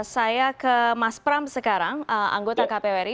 saya ke mas pram sekarang anggota kpwri